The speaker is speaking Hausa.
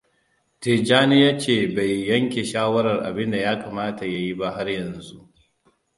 Tijjani ya ke bai yanke shawarar abinda ya kamata ya yi ba har yanzu.